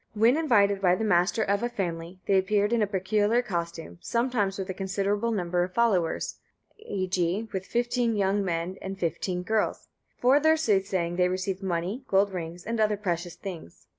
When invited by the master of a family, they appeared in a peculiar costume, sometimes with a considerable number of followers, e.g. with fifteen young men and fifteen girls. For their soothsaying they received money, gold rings, and other precious things.